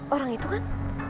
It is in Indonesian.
orang itu kan